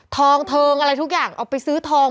ทองเทิงอะไรทุกอย่างเอาไปซื้อทอง